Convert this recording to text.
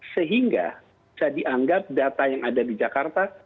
sehingga bisa dianggap data yang ada di jakarta